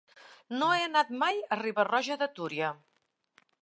No he anat mai a Riba-roja de Túria.